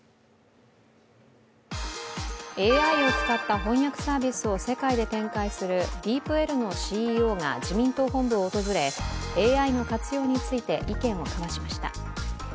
ＡＩを使った翻訳サービスを世界で展開するＤｅｅｐＬのＣＥＯが自民党本部を訪れＡＩの活用について意見を交わしました。